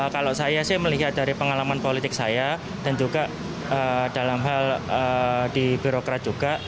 kalau saya sih melihat dari pengalaman politik saya dan juga dalam hal di birokrat juga